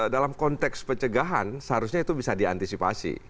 dalam konteks pencegahan seharusnya itu bisa diantisipasi